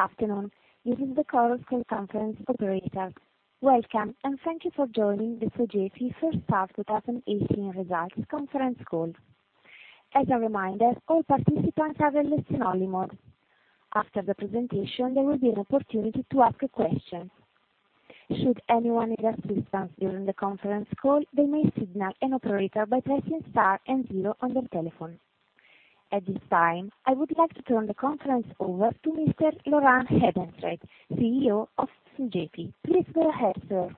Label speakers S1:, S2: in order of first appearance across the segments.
S1: Good afternoon. This is the call conference operator. Welcome, and thank you for joining the Sogefi first half 2018 results conference call. As a reminder, all participants are in listen-only mode. After the presentation, there will be an opportunity to ask questions. Should anyone need assistance during the conference call, they may signal an operator by pressing star and zero on their telephone. At this time, I would like to turn the conference over to Mr. Laurent Hebenstreit, CEO of Sogefi. Please go ahead, sir.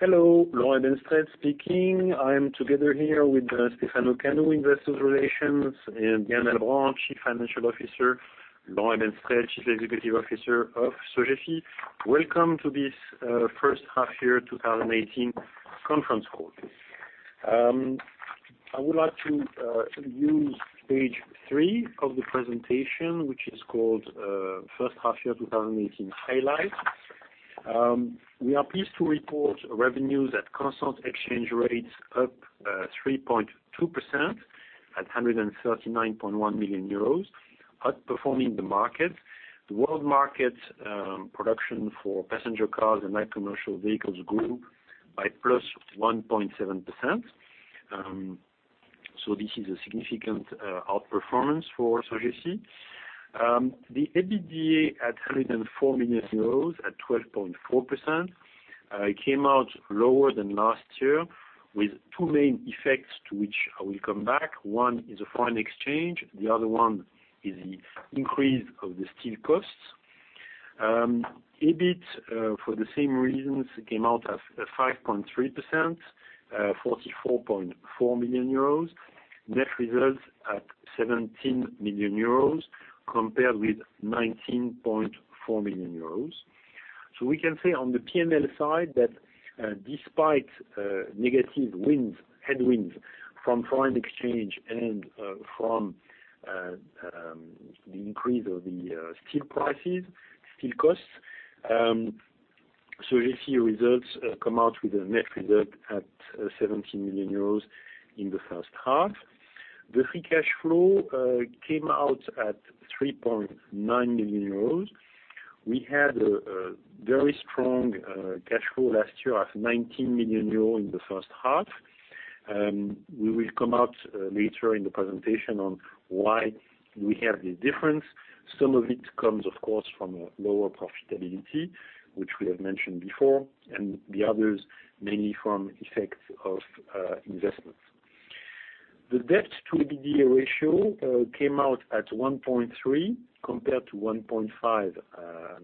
S2: Hello. Laurent Hebenstreit speaking. I am together here with Stefano Canu, Investor Relations, and Yann Albrand, Chief Financial Officer. Laurent Hebenstreit, Chief Executive Officer of Sogefi. Welcome to this first half year 2018 conference call. I would like to use page three of the presentation, which is called First Half Year 2018 Highlight. We are pleased to report revenues at constant exchange rates up 3.2% at 139.1 million euros, outperforming the market. The world market production for passenger cars and light commercial vehicles grew by plus 1.7%. This is a significant outperformance for Sogefi. The EBITDA at 104 million euros at 12.4% came out lower than last year with two main effects, to which I will come back. One is the foreign exchange, the other one is the increase of the steel costs. EBIT, for the same reasons, came out at 5.3%, 44.4 million euros. Net results at 17 million euros compared with 19.4 million euros. We can say on the P&L side that despite negative headwinds from foreign exchange and from the increase of the steel prices, steel costs, Sogefi results come out with a net result at 17 million euros in the first half. The free cash flow came out at 3.9 million euros. We had a very strong cash flow last year of 19 million euros in the first half. We will come out later in the presentation on why we have this difference. Some of it comes, of course, from a lower profitability, which we have mentioned before, and the others mainly from effects of investments. The debt to EBITDA ratio came out at 1.3 compared to 1.5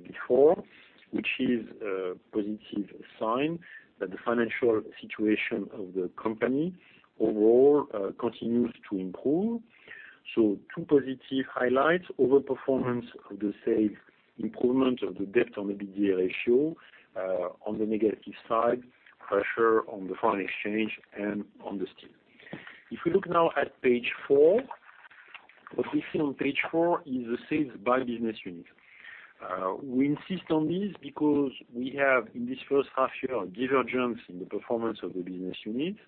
S2: before, which is a positive sign that the financial situation of the company overall continues to improve. Two positive highlights, overperformance of the sales, improvement of the debt on the EBITDA ratio. On the negative side, pressure on the foreign exchange and on the steel. If we look now at page four, what we see on page four is the sales by business unit. We insist on this because we have, in this first half year, divergence in the performance of the business units,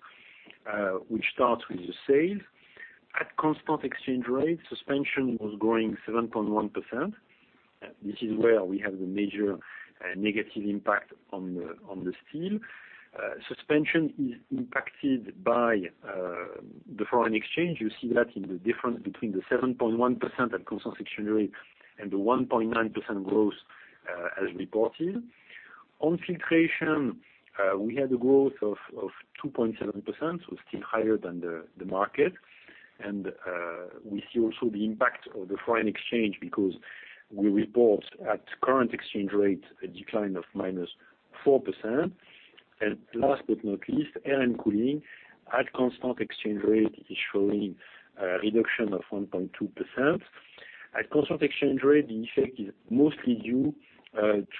S2: which starts with the sales. At constant exchange rate, Suspension was growing 7.1%. This is where we have the major negative impact on the steel. Suspension is impacted by the foreign exchange. You see that in the difference between the 7.1% at constant exchange rate and the 1.9% growth as reported. On Filtration, we had a growth of 2.7%, still higher than the market. We see also the impact of the foreign exchange because we report at current exchange rate a decline of -4%. Last but not least, Air and Cooling at constant exchange rate is showing a reduction of 1.2%. At constant exchange rate, the effect is mostly due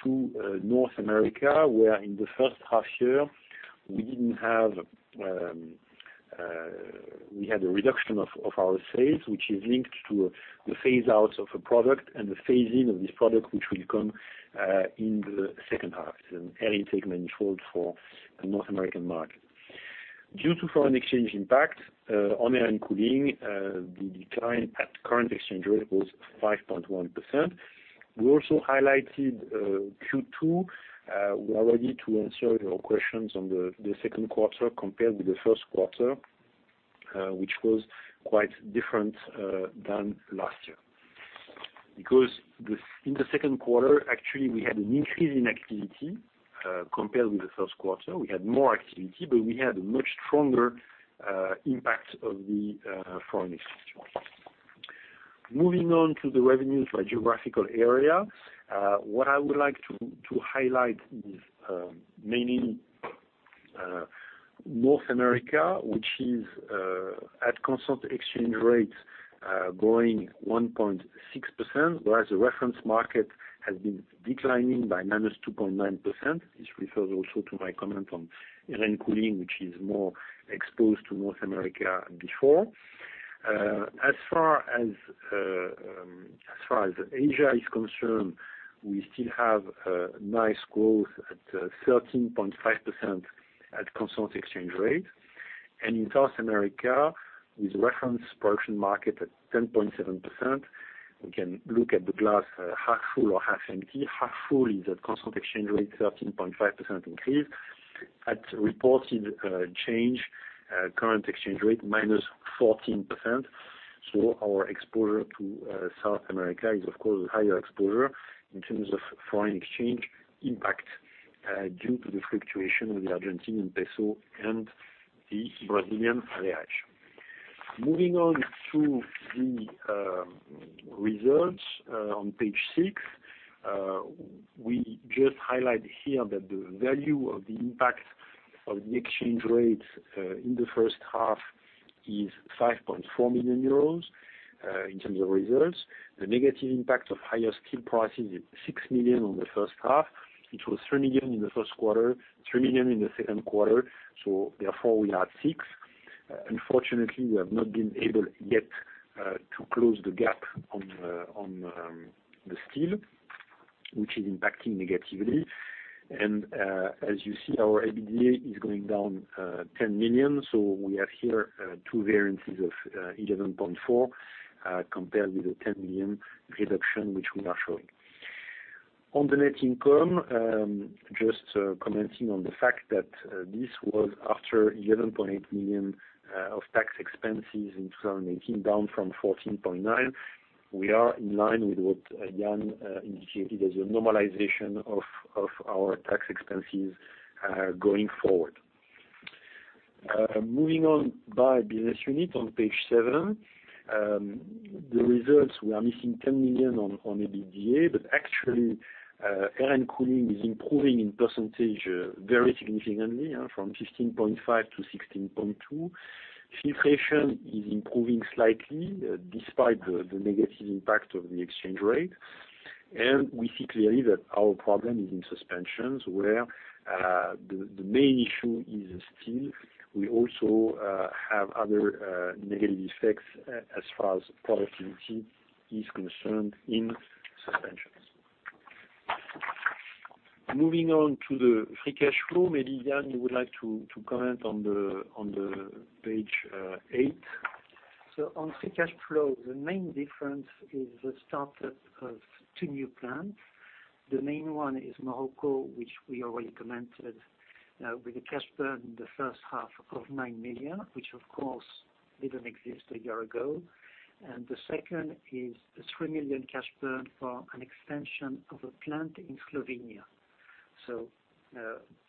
S2: to North America, where in the first half year, we had a reduction of our sales, which is linked to the phase out of a product and the phase in of this product which will come in the second half. It's an air intake manifold for the North American market. Due to foreign exchange impact on Air and Cooling, the decline at current exchange rate was 5.1%. We also highlighted Q2. We are ready to answer your questions on the second quarter compared with the first quarter, which was quite different than last year. In the second quarter, actually, we had an increase in activity compared with the first quarter. We had more activity, we had a much stronger impact of the foreign exchange. Moving on to the revenues by geographical area. What I would like to highlight is mainly North America, which is at constant exchange rates, growing 1.6%, whereas the reference market has been declining by -2.9%. This refers also to my comment on Air and Cooling, which is more exposed to North America before. As far as Asia is concerned, we still have a nice growth at 13.5% at constant exchange rate. In South America, with reference production market at 10.7%, we can look at the glass half full or half empty. Half full is at constant exchange rate, 13.5% increase. At reported change, current exchange rate -14%. Our exposure to South America is, of course, higher exposure in terms of foreign exchange impact due to the fluctuation of the Argentine peso and the Brazilian real. Moving on to the results on page six. We just highlight here that the value of the impact of the exchange rates in the first half is 5.4 million euros in terms of results. The negative impact of higher steel prices is 6 million on the first half, which was 3 million in the first quarter, 3 million in the second quarter. Therefore, we're at 6. Unfortunately, we have not been able yet to close the gap on the steel, which is impacting negatively. As you see, our EBITDA is going down 10 million. We have here two variances of 11.4 million compared with the 10 million reduction which we are showing. On the net income, just commenting on the fact that this was after 11.8 million of tax expenses in 2018, down from 14.9 million. We are in line with what Yann indicated as a normalization of our tax expenses going forward. Moving on by business unit on page seven. The results, we are missing 10 million on EBITDA, actually, Air and Cooling is improving in percentage very significantly from 15.5% to 16.2%. Filtration is improving slightly despite the negative impact of the exchange rate. We see clearly that our problem is in Suspension, where the main issue is steel. We also have other negative effects as far as productivity is concerned in Suspension. Moving on to the free cash flow. Maybe, Yann, you would like to comment on page eight.
S3: On free cash flow, the main difference is the start of two new plants. The main one is Morocco, which we already commented with a cash burn in the first half of 9 million, which of course didn't exist a year ago. The second is the 3 million cash burn for an extension of a plant in Slovenia.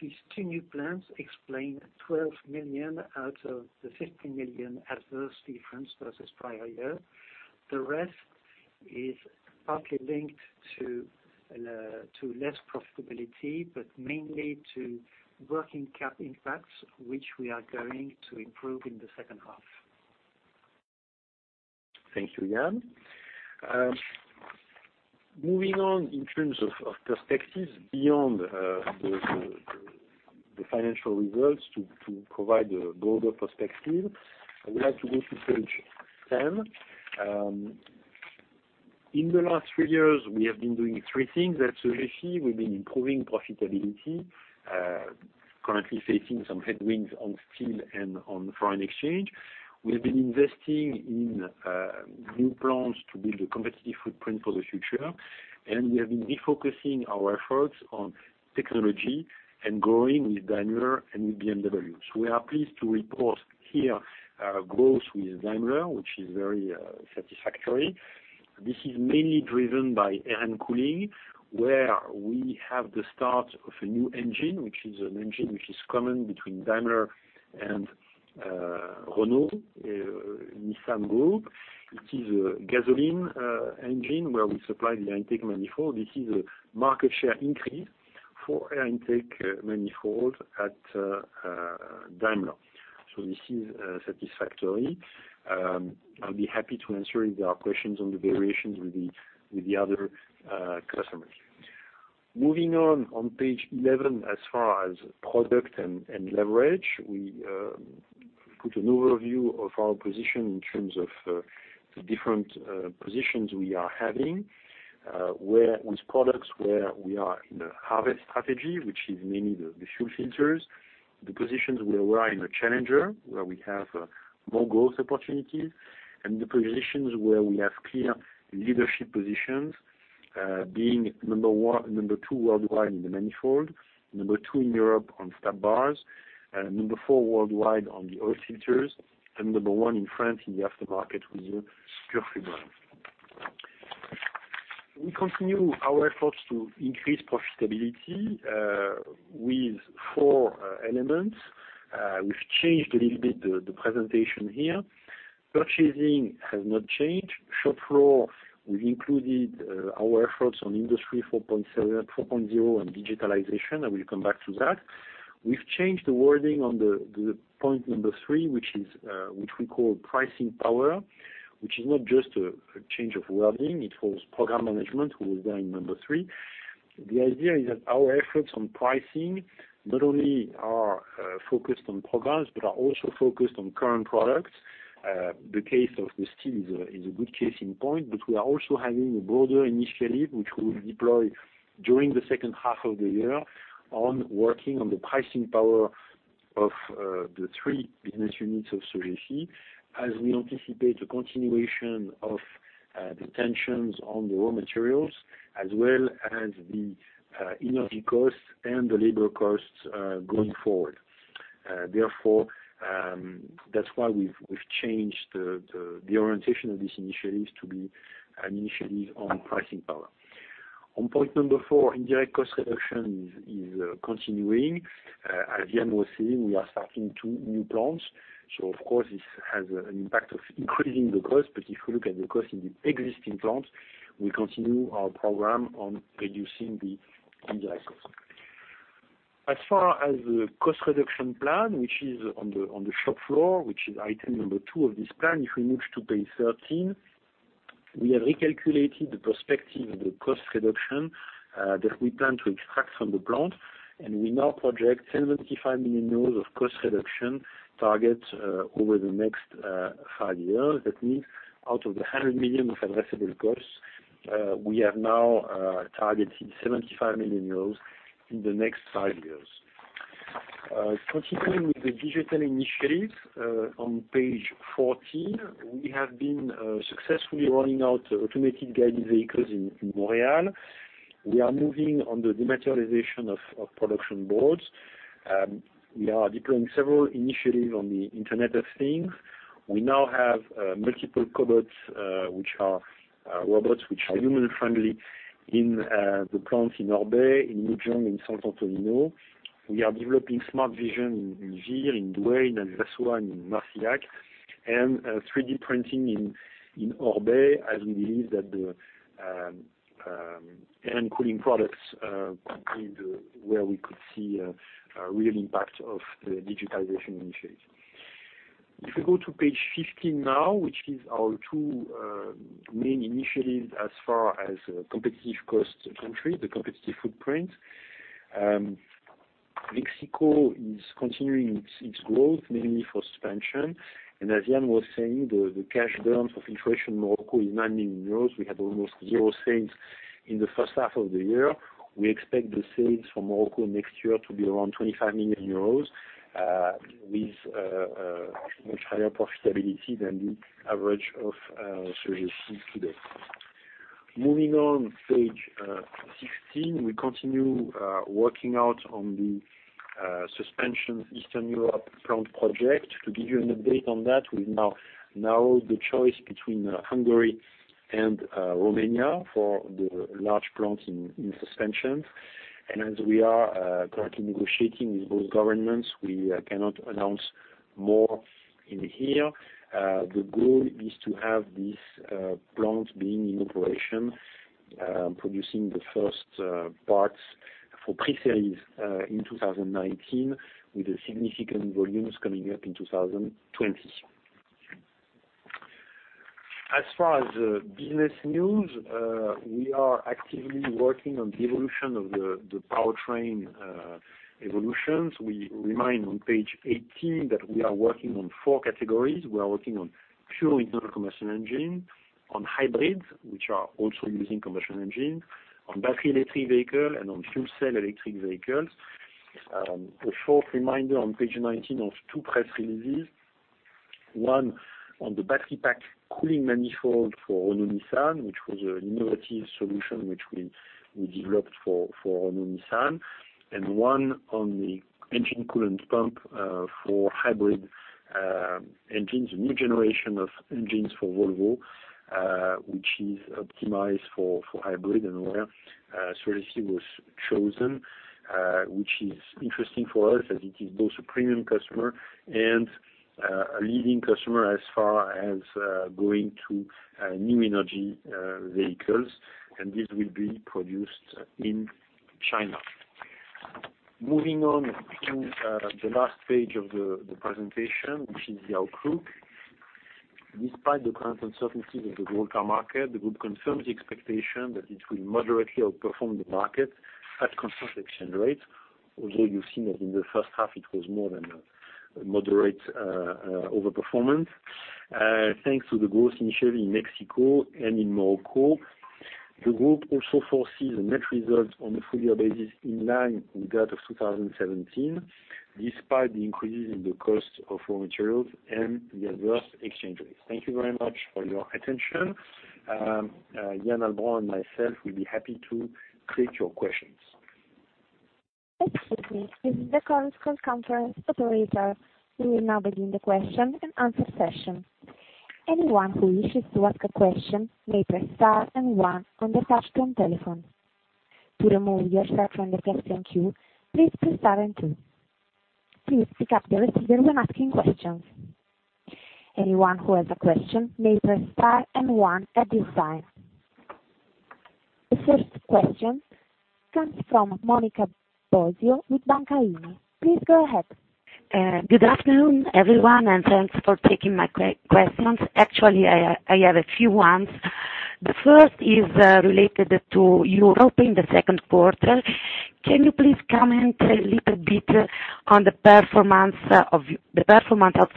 S3: These two new plants explain 12 million out of the 15 million adverse difference versus prior year. The rest is partly linked to less profitability, but mainly to working cap impacts, which we are going to improve in the second half.
S2: Thank you, Yann. Moving on in terms of perspectives beyond the financial results to provide a broader perspective. I would like to go to page 10. In the last three years, we have been doing three things at Sogefi. We've been improving profitability, currently facing some headwinds on steel and on foreign exchange. We have been investing in new plants to build a competitive footprint for the future, and we have been refocusing our efforts on technology and growing with Daimler and with BMW. We are pleased to report here growth with Daimler, which is very satisfactory. This is mainly driven by Air and Cooling, where we have the start of a new engine, which is an engine which is common between Daimler and Renault-Nissan-Mitsubishi Alliance group. It is a gasoline engine where we supply the air intake manifold. This is a market share increase for air intake manifold at Daimler. This is satisfactory. I'll be happy to answer if there are questions on the variations with the other customers. Moving on page 11, as far as product and leverage. We put an overview of our position in terms of the different positions we are having with products where we are in the harvest strategy, which is mainly the fuel filters. The positions where we are in a challenger, where we have more growth opportunities. The positions where we have clear leadership positions, being number 2 worldwide in the manifold, number 2 in Europe on stabilizer bars, number 4 worldwide on the oil filters, and number 1 in France in the aftermarket with the Purflux brand. We continue our efforts to increase profitability with four elements. We've changed a little bit the presentation here. Purchasing has not changed. Shop floor, we've included our efforts on Industry 4.0 and digitalization. I will come back to that. We've changed the wording on the point number 3 which we call pricing power, which is not just a change of wording, it was program management, which was then number 3. The idea is that our efforts on pricing not only are focused on programs but are also focused on current products. The case of the steel is a good case in point, we are also having a broader initiative which we will deploy during the second half of the year on working on the pricing power of the three business units of Sogefi, as we anticipate the continuation of the tensions on the raw materials, as well as the energy costs and the labor costs going forward. Therefore, that's why we've changed the orientation of this initiative to be an initiative on pricing power. On point number four, indirect cost reduction is continuing. As Yann was saying, we are starting two new plants. Of course, this has an impact of increasing the cost, but if you look at the cost in the existing plants, we continue our program on reducing the indirect costs. As far as the cost reduction plan, which is on the shop floor, which is item number two of this plan, if we move to page 13. We have recalculated the perspective of the cost reduction that we plan to extract from the plant, and we now project 75 million euros of cost reduction targets over the next five years. That means out of the 100 million of addressable costs, we have now targeted 75 million euros in the next five years. Continuing with the digital initiatives, on page 14, we have been successfully rolling out automated guided vehicles in Montréal. We are moving on the dematerialization of production boards. We are deploying several initiatives on the Internet of Things. We now have multiple cobots, which are robots which are human-friendly in the plants in Orbey, in Lutila in Sant'Antimo. We are developing smart vision in Vire, in Douai, in Vesoul, and in Marciac. And 3D printing in Orbey, as we believe that the air-cooling products include where we could see a real impact of the digitalization initiatives. If we go to page 15 now, which is our two main initiatives as far as competitive cost country, the competitive footprint. Mexico is continuing its growth, mainly for Suspension. As Yann was saying, the cash burn for penetration Morocco is 9 million euros. We had almost zero sales in the first half of the year. We expect the sales for Morocco next year to be around 25 million euros, with much higher profitability than the average of Sogefi today. Moving on, page 16, we continue working out on the Suspension Eastern Europe plant project. To give you an update on that, we've narrowed the choice between Hungary and Romania for the large plant in Suspension. As we are currently negotiating with both governments, we cannot announce more in here. The goal is to have this plant being in operation, producing the first parts for pre-series in 2019, with significant volumes coming up in 2020. As far as business news, we are actively working on the evolution of the powertrain evolutions. We remind on page 18 that we are working on four categories. We are working on pure internal combustion engine, on hybrids, which are also using combustion engine, on battery electric vehicle, and on fuel cell electric vehicles. A short reminder on page 19 of two press releases. One on the battery pack cooling manifold for Renault-Nissan-Mitsubishi Alliance, which was an innovative solution which we developed for Renault-Nissan-Mitsubishi Alliance. One on the engine coolant pump for hybrid engines, a new generation of engines for Volvo, which is optimized for hybrid and where Sogefi was chosen, which is interesting for us as it is both a premium customer and a leading customer as far as going to new energy vehicles. This will be produced in China. Moving on to the last page of the presentation, which is the outlook. Despite the current uncertainties of the world car market, the group confirms the expectation that it will moderately outperform the market at constant exchange rates. Although you've seen that in the first half, it was more than a moderate over-performance. Thanks to the growth initiative in Mexico and in Morocco, the group also foresees a net result on a full year basis in line with that of 2017, despite the increases in the cost of raw materials and the adverse exchange rates. Thank you very much for your attention. Yann Albrand and myself will be happy to take your questions.
S1: Excuse me. This is the current call conference operator. We will now begin the question and answer session. Anyone who wishes to ask a question may press star and one on their touch-tone telephone. To remove yourself from the question queue, please press star and two. Please pick up the receiver when asking questions. Anyone who has a question may press star and one at this time. The first question comes from Monica Bosio with Banca IMI. Please go ahead.
S4: Good afternoon, everyone, thanks for taking my questions. Actually, I have a few ones. The first is related to Europe in the second quarter. Can you please comment a little bit on the performance of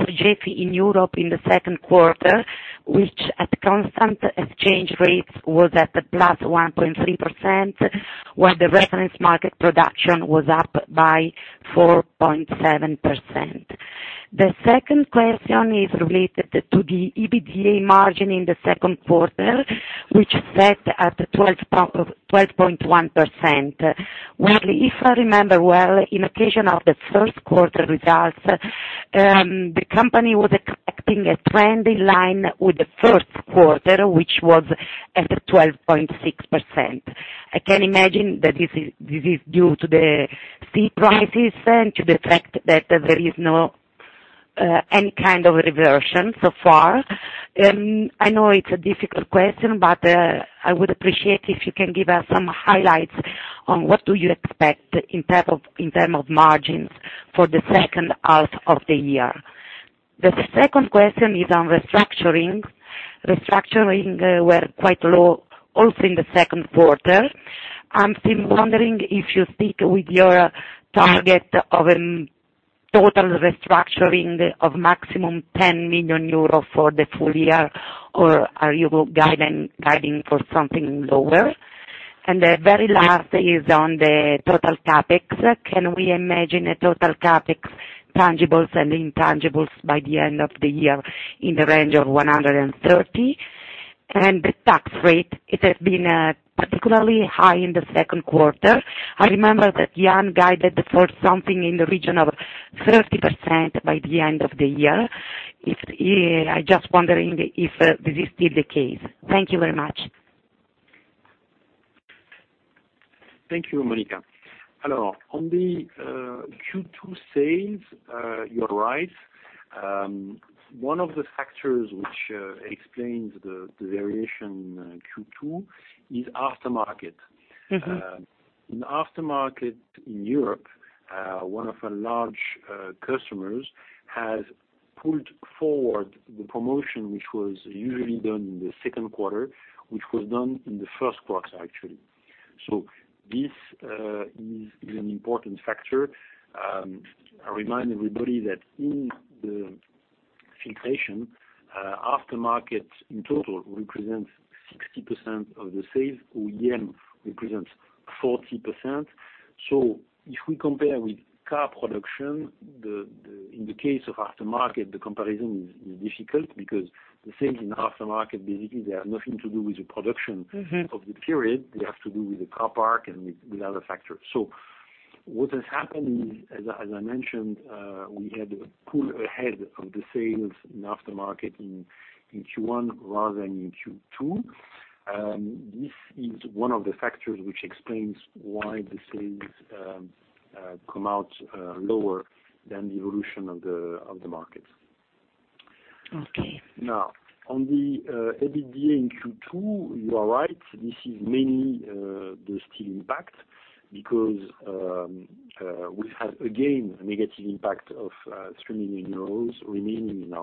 S4: Sogefi in Europe in the second quarter, which at constant exchange rates was at the +1.3%, while the reference market production was up by 4.7%? The second question is related to the EBITDA margin in the second quarter, which is set at 12.1%. If I remember well, in occasion of the first quarter results, the company was expecting a trend in line with the first quarter, which was at 12.6%. I can imagine that this is due to the raw material prices and to the fact that there is any kind of reversion so far. I know it's a difficult question, I would appreciate if you can give us some highlights on what do you expect in term of margins for the second half of the year. The second question is on restructuring. Restructuring were quite low also in the second quarter. I'm still wondering if you stick with your target of a total restructuring of maximum 10 million euros for the full year, or are you guiding for something lower? The very last is on the total CapEx. Can we imagine a total CapEx tangibles and intangibles by the end of the year in the range of 130? The tax rate, it has been particularly high in the second quarter. I remember that Yann guided for something in the region of 30% by the end of the year. I just wondering if this is still the case. Thank you very much.
S2: Thank you, Monica. Hello. On the Q2 sales, you're right. One of the factors which explains the variation in Q2 is aftermarket. In aftermarket in Europe, one of our large customers has pulled forward the promotion, which was usually done in the second quarter, which was done in the first quarter, actually. This is an important factor. I remind everybody that in the Filtration, aftermarket in total represents 60% of the sales, OEM represents 40%. If we compare with car production, in the case of aftermarket, the comparison is difficult because the sales in aftermarket, basically, they have nothing to do with the production- of the period, they have to do with the car park and with other factors. What has happened is, as I mentioned, we had a pull ahead of the sales in aftermarket in Q1 rather than in Q2. This is one of the factors which explains why the sales come out lower than the evolution of the market.
S4: Okay.
S2: Now on the EBITDA in Q2, you are right, this is mainly the steel impact because we have, again, a negative impact of 3 million euros remaining in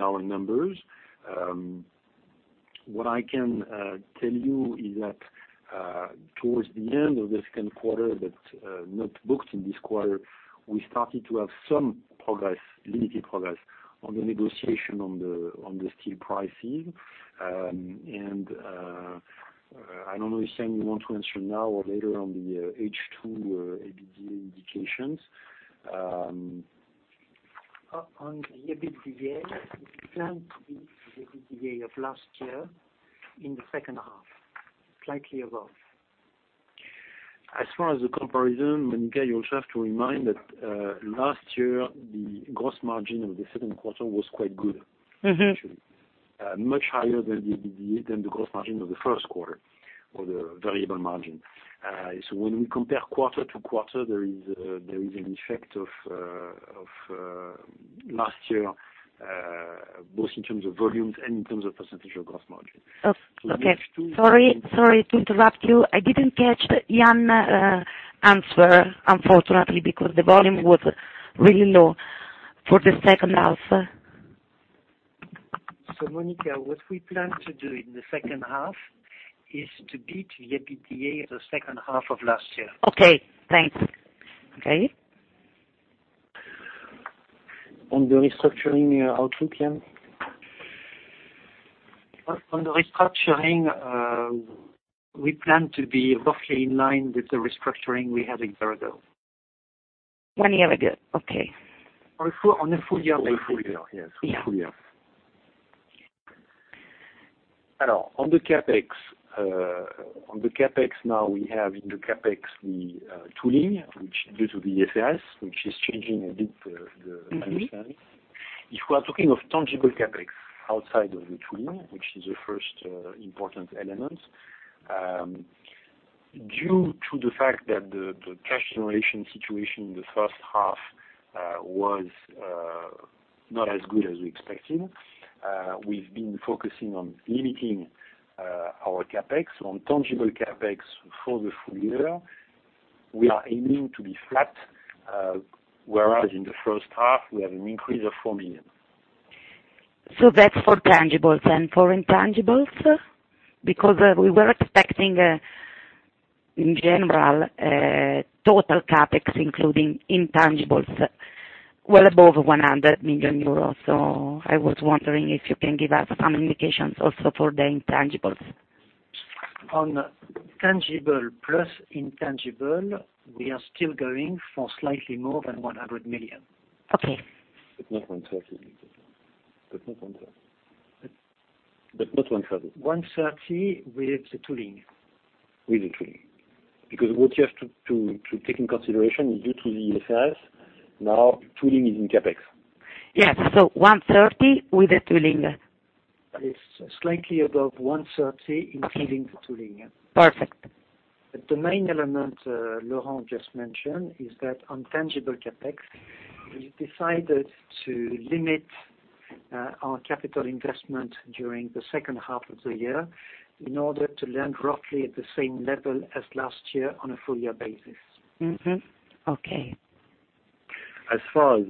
S2: our numbers. What I can tell you is that towards the end of the second quarter, but not booked in this quarter, we started to have some limited progress on the negotiation on the steel pricing. I don't know, Yann, you want to answer now or later on the H2 EBITDA indications.
S3: On the EBITDA, we plan to beat the EBITDA of last year in the second half, slightly above.
S2: As far as the comparison, Monica, you also have to remind that last year, the gross margin of the second quarter was quite good, actually. Much higher than the gross margin of the first quarter or the variable margin. When we compare quarter to quarter, there is an effect of last year, both in terms of volumes and in terms of percentage of gross margin.
S4: Okay. Sorry to interrupt you. I didn't catch Yann answer, unfortunately, because the volume was really low. For the second half?
S3: Monica, what we plan to do in the second half is to beat the EBITDA the second half of last year.
S4: Okay, thanks.
S2: On the restructuring outlook, Yann?
S3: On the restructuring, we plan to be roughly in line with the restructuring we had in a year ago.
S4: One year ago. Okay.
S2: On the full year.
S3: Full year.
S4: Yeah.
S2: On the CapEx, now we have in the CapEx, the tooling, which due to the, [inaudible] which is changing a bit the understanding. If we are talking of tangible CapEx outside of the tooling, which is the first important element. Due to the fact that the cash generation situation in the first half was not as good as we expected, we've been focusing on limiting our CapEx. On tangible CapEx for the full year, we are aiming to be flat, whereas in the first half, we have an increase of 4 million.
S4: That's for tangibles. For intangibles? We were expecting, in general, total CapEx, including intangibles, well above 100 million euros. I was wondering if you can give us some indications also for the intangibles.
S3: On tangible plus intangible, we are still going for slightly more than 100 million.
S4: Okay.
S2: Not 130 million. Not 130 million.
S3: 130 with the tooling.
S2: With the tooling. What you have to take into consideration is due to the IFRS, now tooling is in CapEx.
S4: Yes. 130 with the tooling.
S3: It's slightly above 130 including the tooling.
S4: Perfect.
S3: The main element Laurent just mentioned is that on tangible CapEx, we decided to limit our capital investment during the second half of the year in order to land roughly at the same level as last year on a full year basis.
S4: Okay.
S2: As far as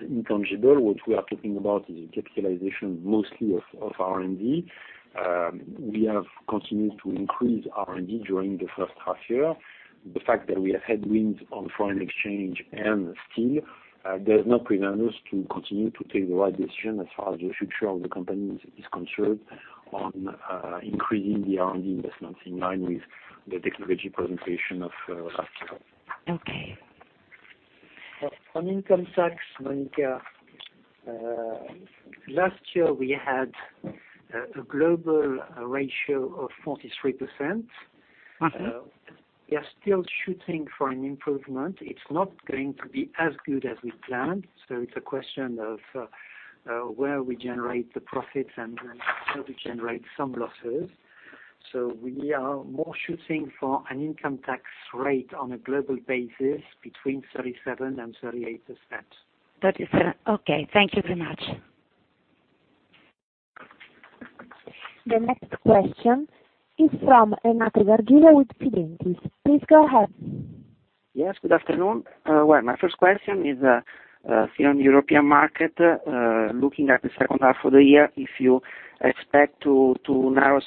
S2: intangible, what we are talking about is the capitalization mostly of R&D. We have continued to increase R&D during the first half year. The fact that we have headwinds on foreign exchange and steel does not prevent us to continue to take the right decision as far as the future of the company is concerned on increasing the R&D investments in line with the technology presentation of last year.
S4: Okay.
S3: On income tax, Monica, last year we had a global ratio of 43%. We are still shooting for an improvement. It's not going to be as good as we planned. It's a question of where we generate the profits and where we generate some losses. We are more shooting for an income tax rate on a global basis between 0.37 and 0.38.
S4: 0.37. Okay. Thank you very much.
S1: The next question is from Renato Gargiulo with Fidentiis. Please go ahead.
S5: Yes, good afternoon. My first question is on European market, looking at the second half of the year, if you expect to narrow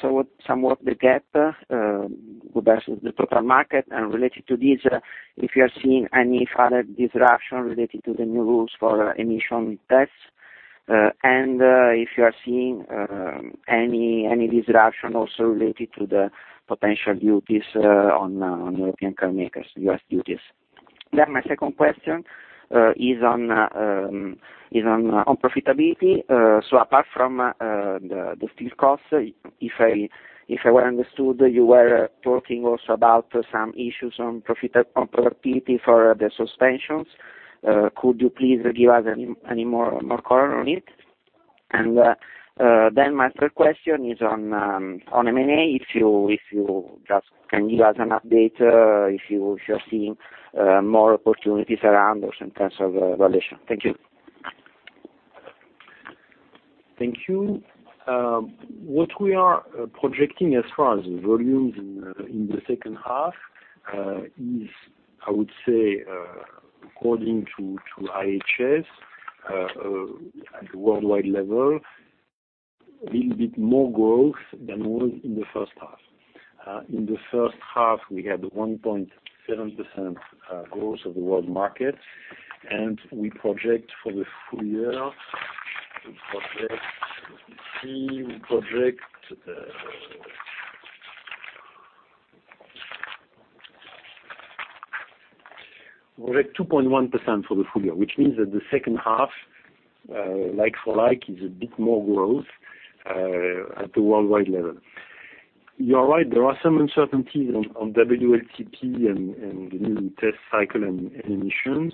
S5: somewhat the gap with the total market. Related to this, if you are seeing any further disruption related to the new rules for emission tests. If you are seeing any disruption also related to the potential duties on European car makers, U.S. duties. My second question is on profitability. Apart from the steel costs, if I understood, you were talking also about some issues on profitability for the Suspension. Could you please give us any more color on it? My third question is on M&A, if you just can give us an update, if you are seeing more opportunities around or some types of valuation. Thank you.
S2: Thank you. What we are projecting as far as volumes in the second half is, I would say, according to IHS, at a worldwide level, a little bit more growth than was in the first half. In the first half, we had 1.7% growth of the world market, and we project for the full year 2.1% for the full year, which means that the second half, like for like, is a bit more growth at the worldwide level. You are right, there are some uncertainties on WLTP and the new test cycle and emissions.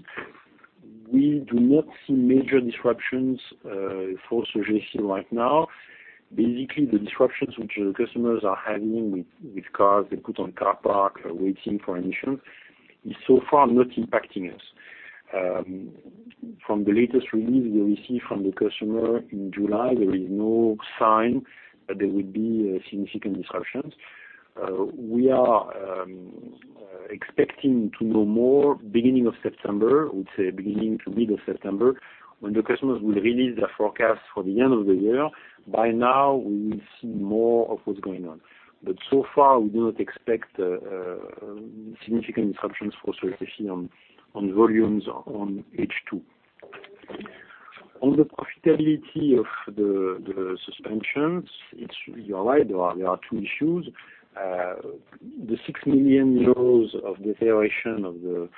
S2: We do not see major disruptions for Sogefi right now. The disruptions which the customers are having with cars they put on car park waiting for emissions is so far not impacting us. From the latest release we received from the customer in July, there is no sign that there will be significant disruptions. We are expecting to know more beginning of September, I would say beginning to mid of September, when the customers will release their forecast for the end of the year. By now, we will see more of what's going on. So far, we do not expect significant disruptions for Sogefi on volumes on H2. On the profitability of the Suspension, you are right, there are two issues. The 6 million euros of deterioration of the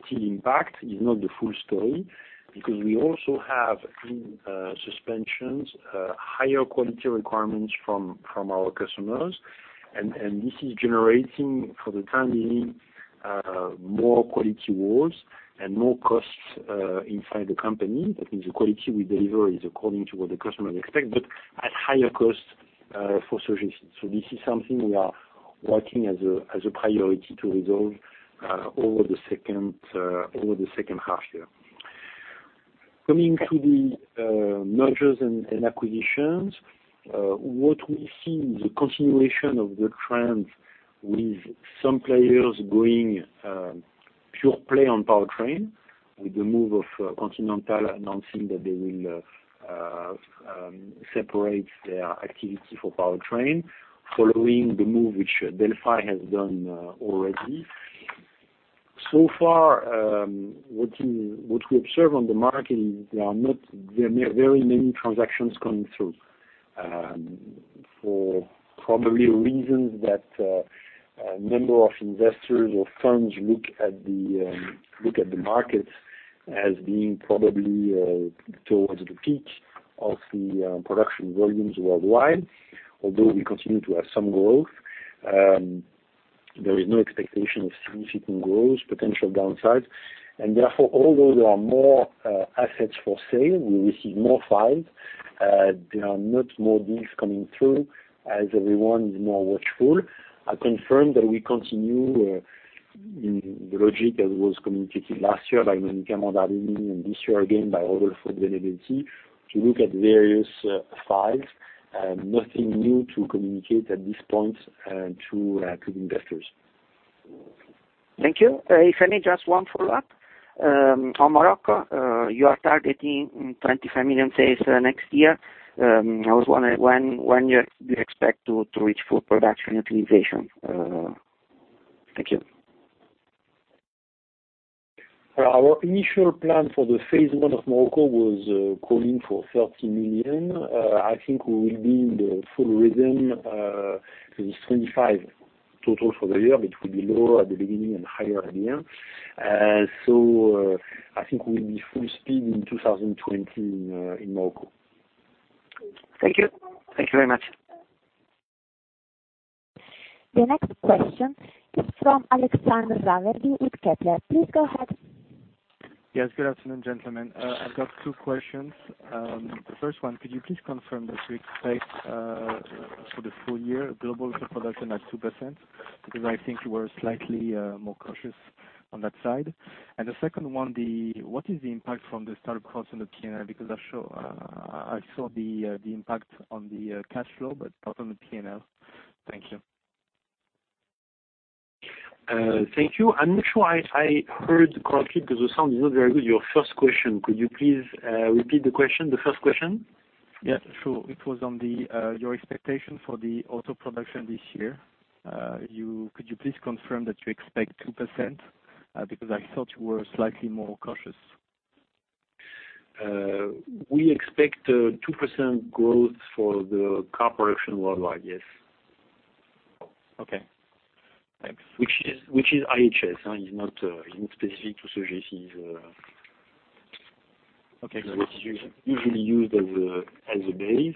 S2: steel impact is not the full story, because we also have in Suspension, higher quality requirements from our customers, and this is generating, for the time being, more quality walls and more costs inside the company. The quality we deliver is according to what the customer expects, but at higher cost for Sogefi. This is something we are working as a priority to resolve over the second half year. Coming to the mergers and acquisitions, what we see is a continuation of the trend with some players going pure play on powertrain, with the move of Continental announcing that they will separate their activity for powertrain, following the move which Delphi has done already. So far, what we observe on the market is there are not very many transactions coming through. For probably reasons that a number of investors or firms look at the market as being probably towards the peak of the production volumes worldwide. Although we continue to have some growth, there is no expectation of significant growth, potential downsides. Therefore, although there are more assets for sale, we receive more files, there are not more deals coming through, as everyone is more watchful. I confirm that we continue in the logic that was communicated last year by Monica Mondardini and this year again by Rodolfo De Benedetti to look at various files. Nothing new to communicate at this point to investors.
S5: Thank you. If I may, just one follow-up. On Morocco, you are targeting 25 million sales next year. I was wondering when you expect to reach full production utilization. Thank you.
S2: Our initial plan for phase one of Morocco was calling for 30 million. I think we will be in the full rhythm. There's 25 total for the year, it will be lower at the beginning and higher at the end. I think we'll be full speed in 2020 in Morocco.
S5: Thank you. Thank you very much.
S1: The next question is from Alexandre Raverdy with Kepler. Please go ahead.
S6: Yes. Good afternoon, gentlemen. I've got two questions. The first one, could you please confirm that you expect for the full year global production at 2%? Because I think you were slightly more cautious on that side. The second one, what is the impact from the start cost on the P&L? Because I saw the impact on the cash flow, but not on the P&L. Thank you.
S2: Thank you. I'm not sure I heard correctly because the sound is not very good, your first question. Could you please repeat the question? The first question?
S6: Yeah, sure. It was on your expectation for the auto production this year. Could you please confirm that you expect 2%? Because I thought you were slightly more cautious.
S2: We expect 2% growth for the car production worldwide, yes.
S6: Okay. Thanks.
S2: Which is IHS. It's not specific to Sogefi.
S6: Okay.
S2: It's easily used as a base.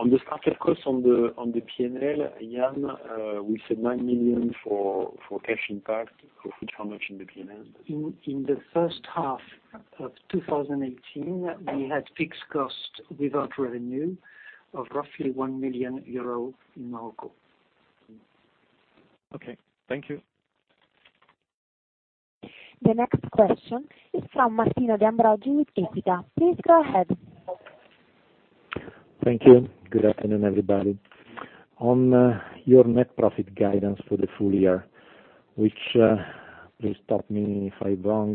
S2: On the start of costs on the P&L, Yann, we said 9 million for cash impact. For how much in the P&L?
S3: In the first half of 2018, we had fixed costs without revenue of roughly 1 million euro in Morocco.
S6: Okay. Thank you.
S1: The next question is from Martino De Ambroggi with Equita. Please go ahead.
S7: Thank you. Good afternoon, everybody. On your net profit guidance for the full year, which please stop me if I'm wrong,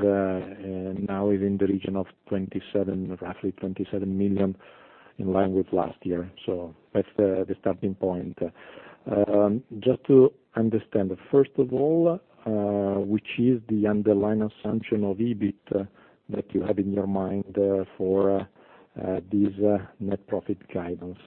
S7: now is in the region of roughly 27 million, in line with last year. That's the starting point. Just to understand, first of all, which is the underlying assumption of EBIT that you have in your mind for this net profit guidance?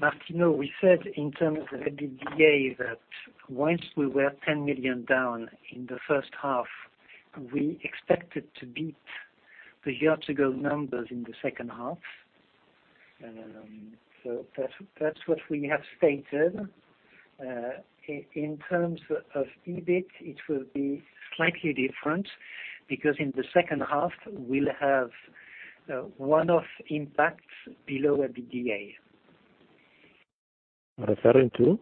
S3: Martino, we said in terms of EBITDA that once we were 10 million down in the first half, we expected to beat the year-to-go numbers in the second half. That's what we have stated. In terms of EBIT, it will be slightly different because in the second half, we'll have one-off impacts below EBITDA.
S7: Referring to?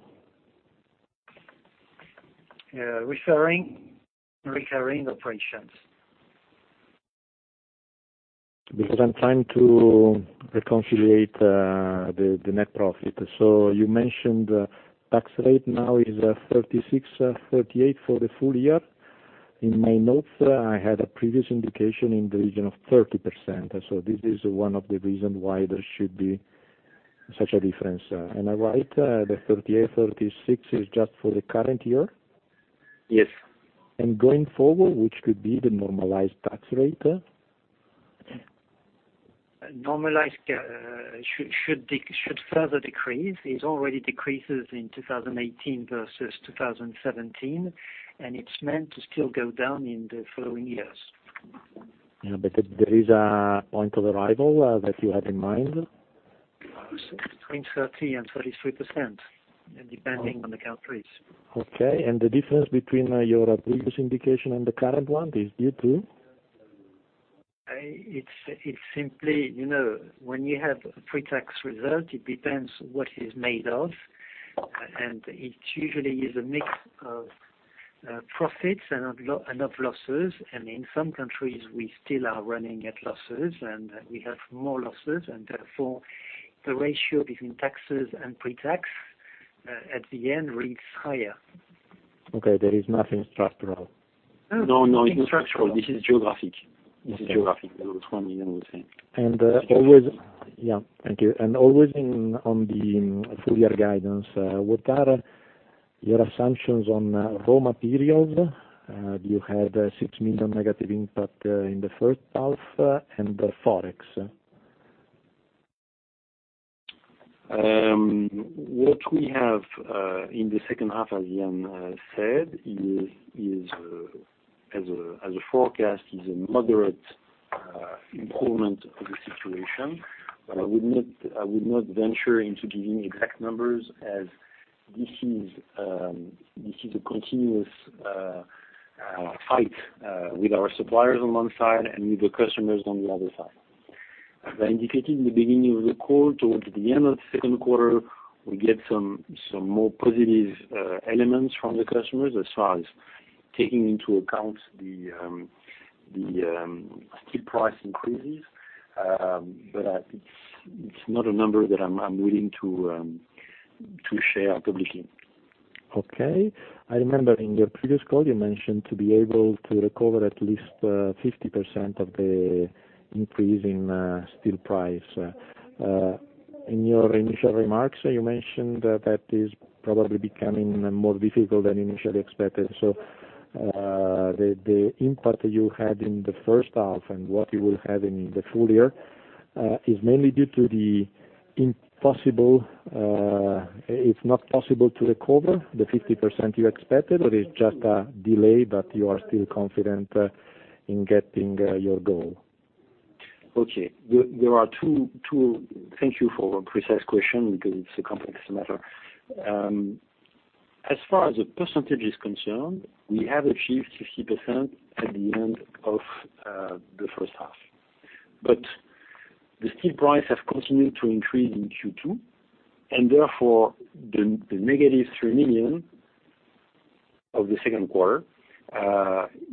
S3: Recurring operations.
S7: I'm trying to reconcile the net profit. You mentioned tax rate now is 36%, 38% for the full year. In my notes, I had a previous indication in the region of 30%. This is one of the reason why there should be such a difference. Am I right, the 38%, 36% is just for the current year?
S2: Yes.
S7: Going forward, which could be the normalized tax rate?
S3: Normalized should further decrease. It already decreases in 2018 versus 2017, it's meant to still go down in the following years.
S7: There is a point of arrival that you have in mind?
S3: Between 30% and 33%, depending on the countries.
S7: Okay. The difference between your previous indication and the current one is due to?
S3: It's simply when you have a pre-tax result, it depends what is made of. It usually is a mix of profits and of losses. In some countries, we still are running at losses, and we have more losses, and therefore, the ratio between taxes and pre-tax at the end reads higher.
S7: Okay, there is nothing structural.
S2: No, it's structural. This is geographic. This is geographic. [inaudible]
S7: Yeah. Thank you. Always on the full-year guidance, what are your assumptions on raw materials? You had a 6 million negative impact in the first half and the Forex.
S2: What we have in the second half, as Yann said, as a forecast, is a moderate improvement of the situation. I would not venture into giving exact numbers as this is a continuous fight with our suppliers on one side and with the customers on the other side. As I indicated in the beginning of the call, towards the end of the second quarter, we get some more positive elements from the customers as far as taking into account the steel price increases. It's not a number that I'm willing to share publicly.
S7: Okay. I remember in your previous call, you mentioned to be able to recover at least 50% of the increase in steel price. In your initial remarks, you mentioned that is probably becoming more difficult than initially expected. The impact you had in the first half and what you will have in the full year is mainly due to the it's not possible to recover the 50% you expected, or it's just a delay, but you are still confident in getting your goal?
S2: Okay. Thank you for a precise question because it's a complex matter. As far as the percentage is concerned, we have achieved 50% at the end of the first half. The steel price has continued to increase in Q2, therefore, the negative 3 million of the second quarter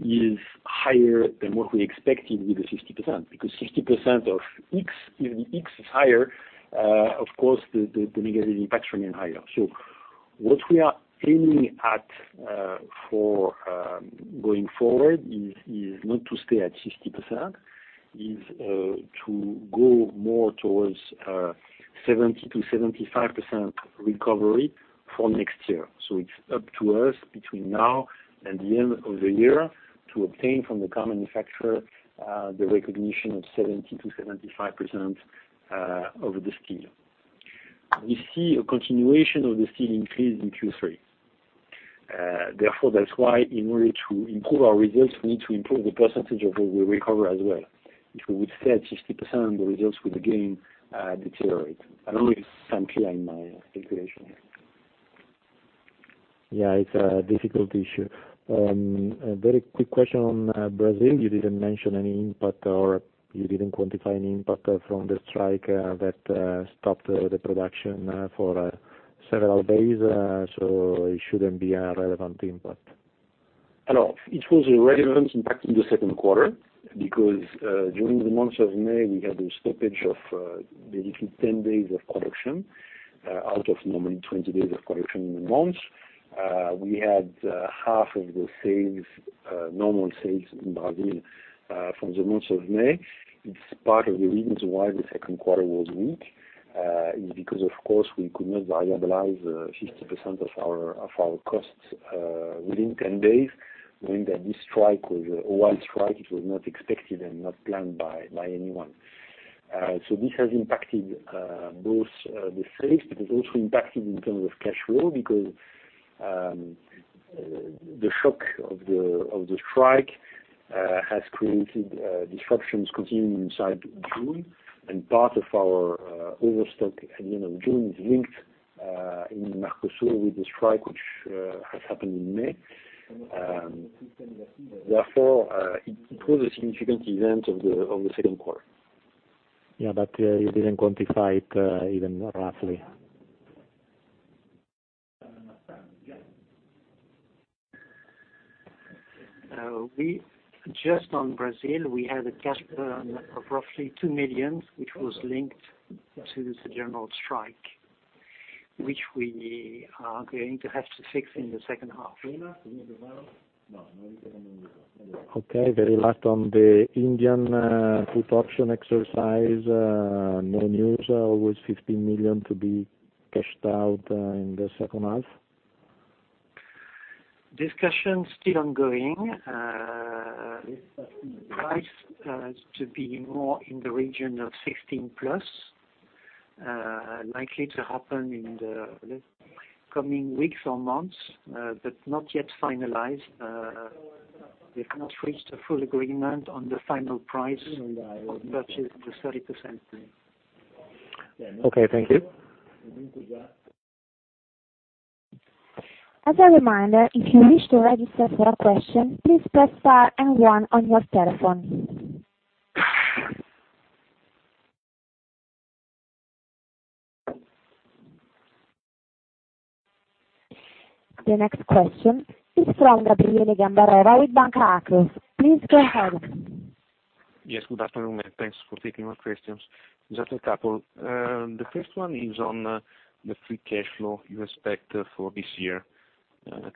S2: is higher than what we expected with the 60%, because 60% of X, if the X is higher, of course, the negative impact remains higher. What we are aiming at for going forward is not to stay at 60%, is to go more towards 70%-75% recovery for next year. It's up to us between now and the end of the year to obtain from the car manufacturer the recognition of 70%-75% of the steel. We see a continuation of the steel increase in Q3. Therefore, that's why in order to improve our results, we need to improve the percentage of what we recover as well. If we would stay at 60%, the results would again deteriorate. I don't know if I'm clear in my calculation here.
S7: Yeah, it's a difficult issue. A very quick question on Brazil. You didn't mention any impact, or you didn't quantify any impact from the strike that stopped the production for several days. It shouldn't be a relevant impact.
S2: No. It was a relevant impact in the second quarter because during the month of May, we had a stoppage of basically 10 days of production out of normally 20 days of production in a month. We had half of the normal sales in Brazil from the month of May. It's part of the reasons why the second quarter was weak, is because, of course, we could not variabilize 50% of our costs within 10 days, meaning that this strike was a wild strike. It was not expected and not planned by anyone. This has impacted both the sales, but it also impacted in terms of cash flow because the shock of the strike has created disruptions continuing inside June, and part of our overstock at the end of June is linked in Mercosur with the strike, which has happened in May. Therefore, it was a significant event of the second quarter.
S7: Yeah, you didn't quantify it even roughly.
S3: Just on Brazil, we had a cash burn of roughly 2 million, which was linked to the general strike. We are going to have to fix in the second half.
S7: Very last on the Indian put option exercise. No news. Always 15 million to be cashed out in the second half.
S3: Discussion still ongoing. Price to be more in the region of 16 plus. Likely to happen in the coming weeks or months. Not yet finalized. We have not reached a full agreement on the final price of purchase the 30%.
S7: Thank you.
S1: As a reminder, if you wish to register for a question, please press star 1 on your telephone. The next question is from Gabriele Gambaro with Banca Akros. Please go ahead.
S8: Yes, good afternoon. Thanks for taking my questions. Just a couple. The first one is on the free cash flow you expect for this year.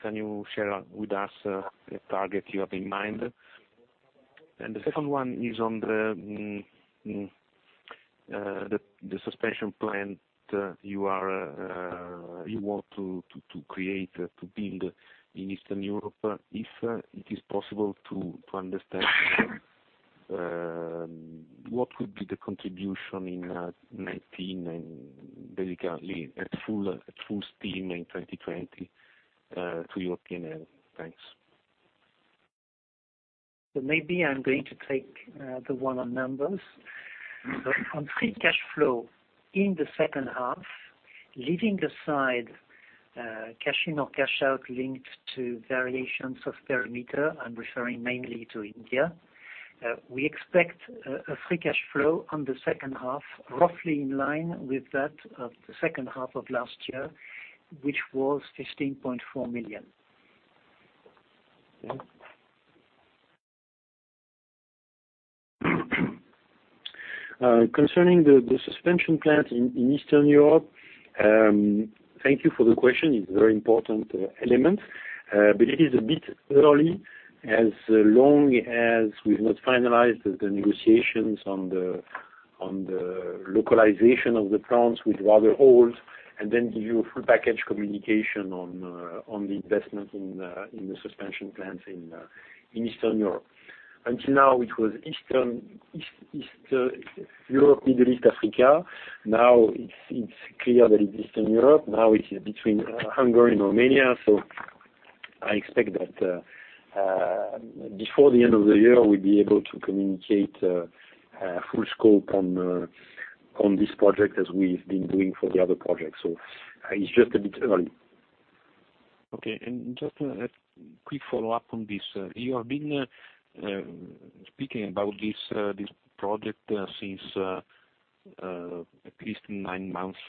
S8: Can you share with us a target you have in mind? The second one is on the Suspension plant you want to create to build in Eastern Europe, if it is possible to understand what would be the contribution in 2019 and basically at full steam in 2020 to your P&L. Thanks.
S3: Maybe I'm going to take the one on numbers. On free cash flow in the second half, leaving aside cash in or cash out linked to variations of perimeter, I'm referring mainly to India. We expect a free cash flow on the second half, roughly in line with that of the second half of last year, which was 15.4 million.
S2: Concerning the Suspension plant in Eastern Europe, thank you for the question, it's a very important element. It is a bit early as long as we've not finalized the negotiations on the localization of the plants with other poles, give you a full package communication on the investment in the Suspension plants in Eastern Europe. Until now, it was Europe, Middle East, Africa. It's clear that it's Eastern Europe. It is between Hungary and Romania. I expect that before the end of the year, we'll be able to communicate a full scope on this project as we've been doing for the other projects. It's just a bit early.
S8: Okay, just a quick follow-up on this. You have been speaking about this project since at least nine months.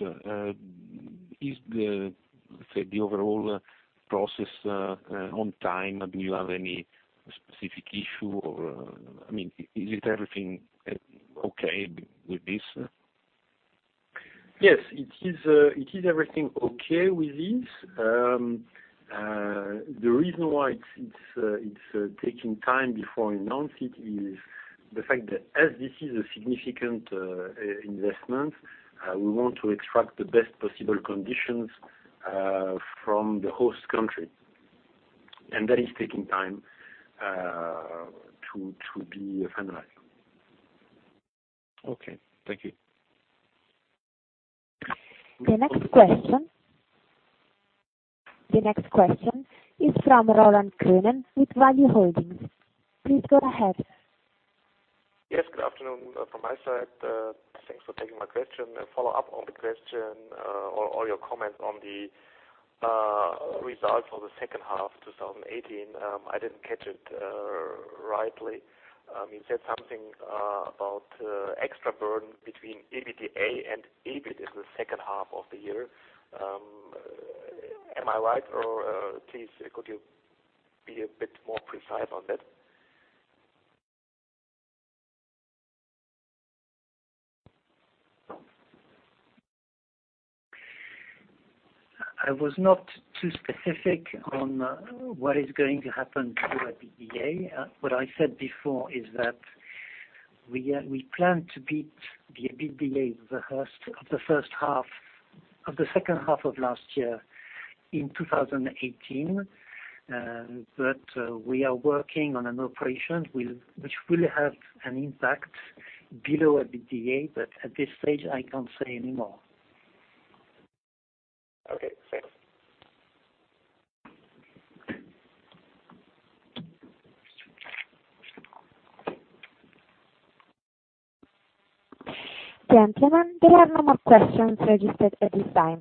S8: Is the overall process on time? Do you have any specific issue or, is everything okay with this?
S2: Yes, it is everything okay with this. The reason why it's taking time before announcing is the fact that as this is a significant investment, we want to extract the best possible conditions from the host country. That is taking time to be finalized.
S8: Okay. Thank you.
S1: The next question is from Roland Kroenen with Value Holdings. Please go ahead.
S9: Yes, good afternoon from my side. Thanks for taking my question. A follow-up on the question or your comment on the results for the second half 2018. I didn't catch it rightly. You said something about extra burden between EBITDA and EBIT in the second half of the year. Am I right or please could you be a bit more precise on that?
S3: I was not too specific on what is going to happen to our EBITDA. What I said before is that we plan to beat the EBITDA of the second half of last year in 2018. We are working on an operation which will have an impact below EBITDA, but at this stage, I can't say anymore.
S9: Okay, thanks.
S1: Gentlemen, there are no more questions registered at this time.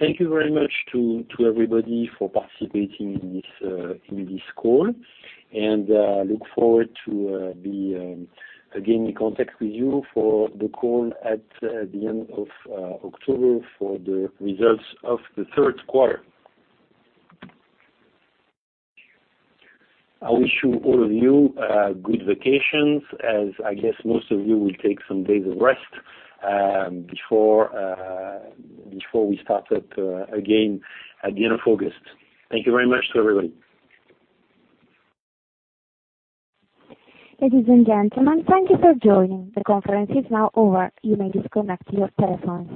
S2: Thank you very much to everybody for participating in this call, and look forward to be again in contact with you for the call at the end of October for the results of the third quarter. I wish you, all of you, good vacations as I guess most of you will take some days of rest before we start up again at the end of August. Thank you very much to everybody.
S1: Ladies and gentlemen, thank you for joining. The conference is now over. You may disconnect your telephones.